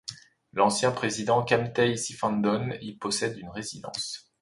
L'ancien président Khamtay Siphandone y possède une résidence.